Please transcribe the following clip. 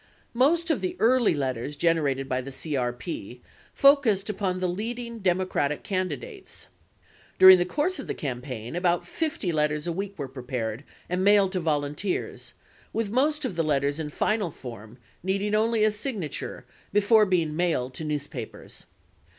Most of the early letters generated by the CRP focused upon the leading Demo cratic candidates. During the course of the campaign, about 50 letters a week were prepared and mailed to volunteers, with most of the letters in final form, needing only a signature before being mailed to news papers.